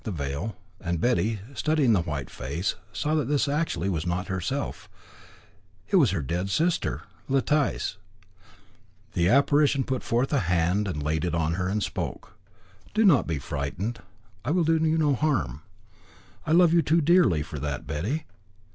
[Illustration: THEN THE BRIDE PUT BACK HER VEIL, AND BETTY, STUDYING THE WHITE FACE, SAW THAT THIS ACTUALLY WAS NOT HERSELF; IT WAS HER DEAD SISTER LETICE.] The apparition put forth a hand and laid it on her and spoke: "Do not be frightened. I will do you no harm. I love you too dearly for that, Betty.